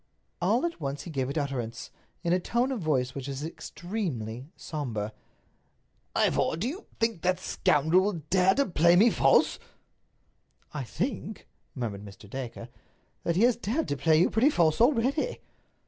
All at once he gave it utterance, in a tone of voice which was extremely somber: "Ivor, do you think that scoundrel will dare to play me false?" "I think," murmured Mr. Dacre, "that he has dared to play you pretty false already."